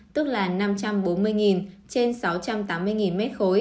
tức là năm trăm bốn mươi trên sáu trăm tám mươi m ba